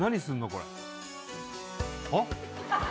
これはっ？